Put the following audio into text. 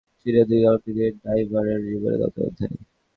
পুলেই নিঃশব্দে শুরু হয়ে গেল চীনের দুই অলিম্পিক ডাইভারের জীবনে নতুন অধ্যায়।